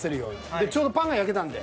でちょうどパンが焼けたんで。